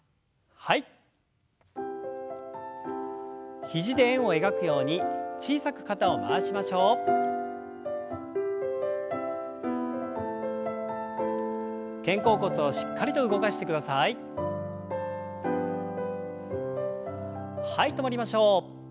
はい止まりましょう。